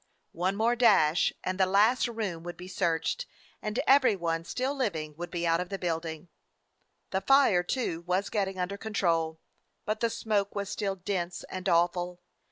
One more dash, and the last room would be searched, and every one still living would be out of the building: the fire, too, wa's getting under control, but the smoke was still dense and awful.